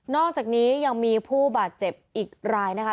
อกจากนี้ยังมีผู้บาดเจ็บอีกรายนะคะ